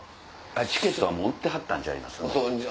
チケットは売ってはったんちゃいます？